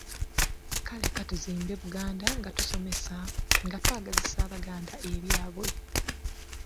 Kale ka tuzimbe Buganda nga tusomesa, nga twagazisa Abaganda ebyabwe.